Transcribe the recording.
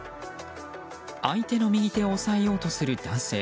相手の右手を押さえようとする男性。